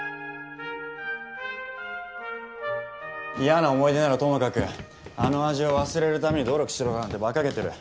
嫌な思い出ならともかくあの味を忘れるために努力しろだなんてバカげてる。